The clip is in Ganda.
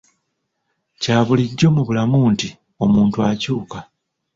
Kya bulijjo mu bulamu nti omuntu akyuka.